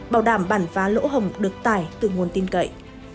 bảo đảm bản phá lỗ hổng được tải từ nguồn tin cậy